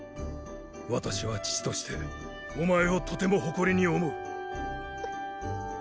私は父としてお前をとても誇りに思う。